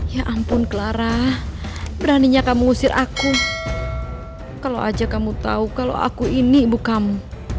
ya ampun clara beraninya kamu usir aku kalau aja kamu tahu kalau aku ini ibu kamu